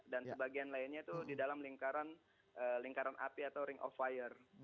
dan sebagian lainnya itu di dalam lingkaran api atau ring of fire